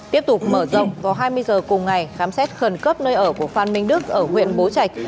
tiếp tục mở rộng vào hai mươi h cùng ngày khám xét khẩn cấp nơi ở của phan minh đức ở huyện bố trạch